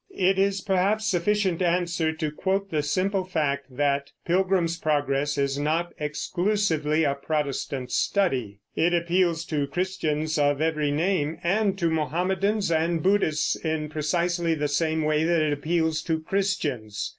It is perhaps sufficient answer to quote the simple fact that Pilgrim's Progress is not exclusively a Protestant study; it appeals to Christians of every name, and to Mohammedans and Buddhists in precisely the same way that it appeals to Christians.